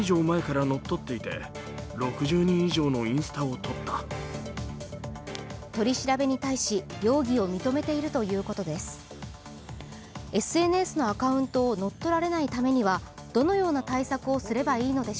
取り調べに対し、容疑を認めているということです。